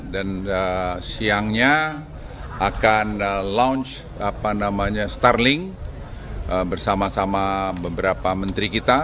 dan siangnya akan launch apa namanya starlink bersama sama beberapa menteri kita